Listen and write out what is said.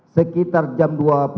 sekitar jam dua puluh tiga puluh